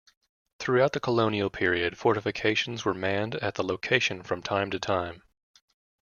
Throughout the Colonial period, fortifications were manned at the location from time to time.